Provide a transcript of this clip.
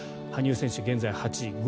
羽生選手は現在８位。